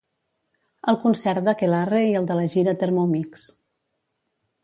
el concert d'Akelarre i el de la gira Termomix